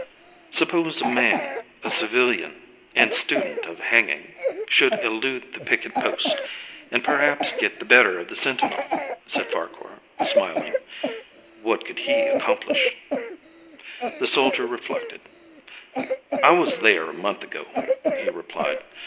"Suppose a man a civilian and student of hanging should elude the picket post and perhaps get the better of the sentinel," said Farquhar, smiling, "what could he accomplish?" The soldier reflected. "I was there a month ago," he replied.